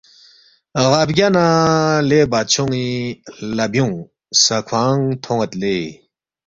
غا بگیا نہ لے بادشون٘ی ہلا بیونگ سہ کھوانگ تھون٘ید لے